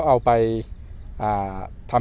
สวัสดีครับ